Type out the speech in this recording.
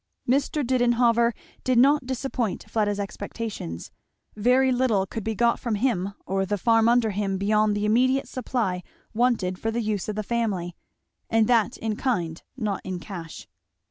Mr. Didenhover did not disappoint Fleda's expectations. Very little could be got from him or the farm under him beyond the immediate supply wanted for the use of the family; and that in kind, not in cash.